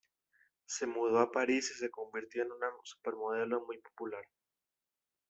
Se mudó a París y se convirtió en una supermodelo muy popular.